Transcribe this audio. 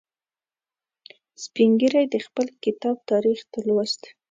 سپین ږیری د خپل کتاب تاریخ لوست.